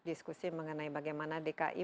diskusi mengenai bagaimana dki